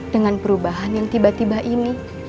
dengan perubahan yang tiba tiba ini